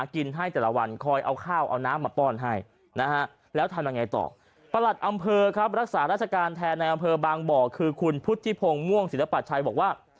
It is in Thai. คือคุณพุทธิพงศ์ม่วงศิลปัชชัยบอกว่า